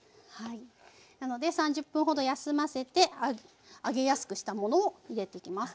なので３０分ほど休ませて揚げやすくしたものを入れていきます。